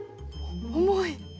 重い！